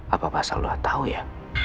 apa pasal lu tahu ya